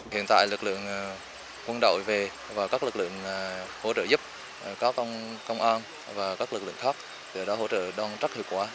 hiện tại lực lượng quân đội về và các lực lượng hỗ trợ giúp các công an và các lực lượng khác để đó hỗ trợ đoan trách hiệu quả